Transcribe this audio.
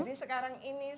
jadi sekarang ini saya